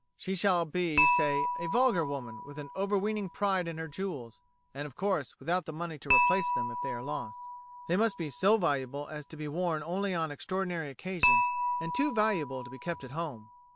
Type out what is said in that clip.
She shall be, say, a vulgar woman with an overweening pride in her jewels, and, of course, without the money to replace them if they are lost. They must be so valuable as to be worn only on extraordinary occasions, and too valuable to be kept at home.